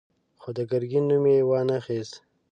خو د ګرګين نوم يې وانه خيست.